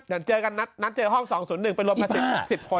เดี๋ยวเจอกันนัดเจอห้อง๒๐๑ไปรบมา๑๐คน